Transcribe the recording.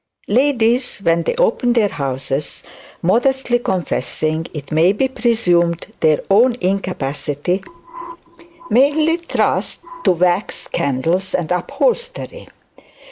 Ladies, when they open their houses, modestly confessing, it may be presumed, their own incapacity, mainly trust to wax candles and upholstery.